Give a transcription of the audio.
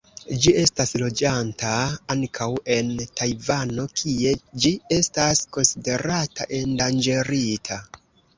Ĝi estas loĝanta ankaŭ en Tajvano, kie ĝi estas konsiderata endanĝerita.